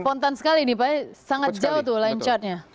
spontan sekali nih pak sangat jauh tuh lancarnya